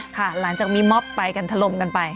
ค่ะหลังจากมีม็อบไปกันถล่มกันไป